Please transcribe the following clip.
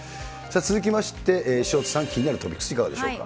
続きまして、潮田さん、気になるトピックス、いかがでしょうか。